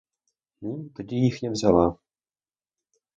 Ну, тоді їхня взяла.